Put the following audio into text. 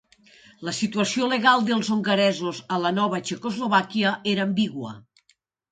La situació legal dels hongaresos a la nova Txecoslovàquia era ambigua.